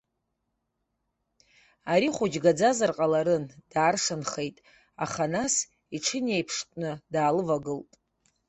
Ари хәыҷ гаӡаразар ҟаларын, дааршанхеит, аха нас иҽынеиԥштәны даалывагылт.